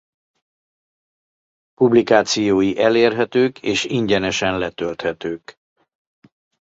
Publikációi elérhetők és ingyenesen letölthetők.